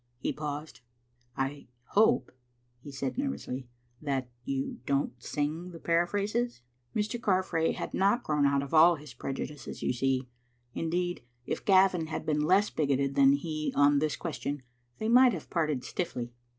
" He paused. " I hope," he said nervously, " that you don't sing the Paraphrases?" Mr. Carfrae had not grown out of all his prejudices^ you see ; indeed, if Gavin had been less bigoted than he on this question they might have parted stiffly.